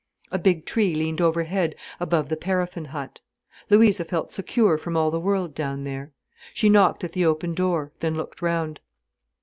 A big tree leaned overhead, above the paraffin hut. Louisa felt secure from all the world down there. She knocked at the open door, then looked round.